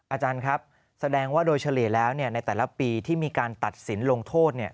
อาจารย์ครับแสดงว่าโดยเฉลี่ยแล้วเนี่ยในแต่ละปีที่มีการตัดสินลงโทษเนี่ย